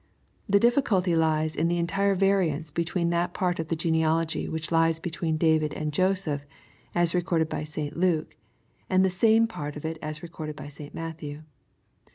The difficulty lies in the entire variance between that part of the genealogy which lies between David and Joseph, as recorded by St Luke, and the same pi^rt of it as recorded by St Matthew.